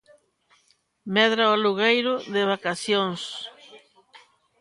Medra o alugueiro de vacacións.